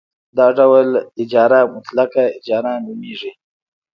دا ډول اجاره مطلقه اجاره نومېږي